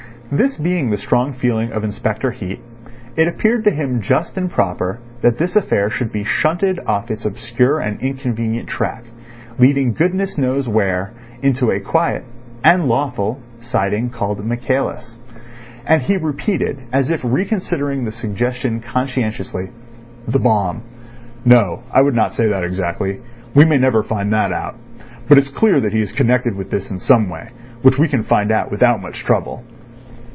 This being the strong feeling of Inspector Heat, it appeared to him just and proper that this affair should be shunted off its obscure and inconvenient track, leading goodness knows where, into a quiet (and lawful) siding called Michaelis. And he repeated, as if reconsidering the suggestion conscientiously: "The bomb. No, I would not say that exactly. We may never find that out. But it's clear that he is connected with this in some way, which we can find out without much trouble."